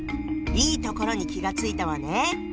いいところに気が付いたわね！